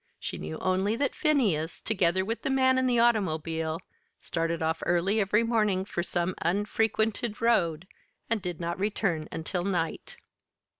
She knew only that Phineas, together with the man and the automobile, started off early every morning for some unfrequented road, and did not return until night.